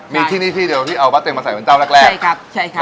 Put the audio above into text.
มีที่นี่ที่เดียวที่เอาบ้าเต็งมาใส่เป็นเจ้าแรกแรกใช่ครับใช่ค่ะ